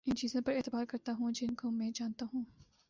ان چیزوں پر اعتبار کرتا ہوں جن کو میں جانتا ہوں